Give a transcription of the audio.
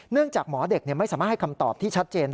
จากหมอเด็กไม่สามารถให้คำตอบที่ชัดเจน